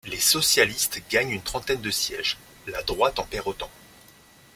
Les socialistes gagnent une trentaine de sièges, la droite en perd autant.